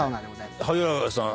萩原さん